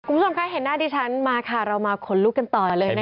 คุณผู้ชมคะเห็นหน้าดิฉันมาค่ะเรามาขนลุกกันต่อเลยนะคะ